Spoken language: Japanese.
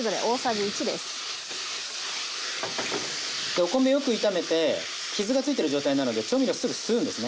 お米よく炒めて傷がついてる状態なので調味料すぐ吸うんですね。